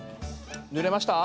ぬれました？